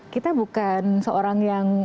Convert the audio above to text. kita bukan seorang yang